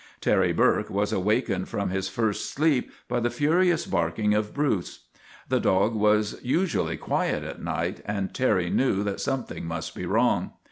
Terry Burke was awakened from his first sleep by the furious barking of Bruce. The dog was usually quiet at night and Terry knew that some thing must be wrong.